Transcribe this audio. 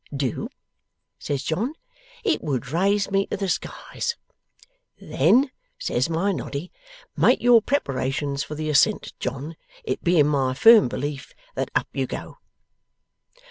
"Do?" says John, "it would raise me to the skies." "Then," says my Noddy, "make your preparations for the ascent, John, it being my firm belief that up you go!"